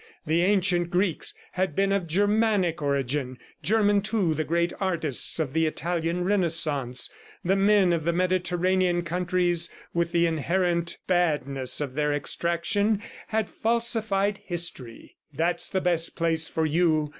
The ancient Greeks had been of Germanic origin; German, too, the great artists of the Italian Renaissance. The men of the Mediterranean countries, with the inherent badness of their extraction, had falsified history. ... "That's the best place for you.